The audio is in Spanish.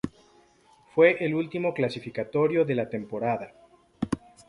Fue el último clasificatorio de la temporada.